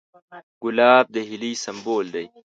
ګلاب د هیلې سمبول دی.